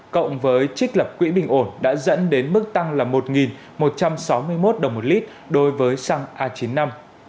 cộng với trích lập quỹ bình ổn đã dẫn đến mức tăng là một một trăm sáu mươi một đồng một lít đối với xăng a chín mươi năm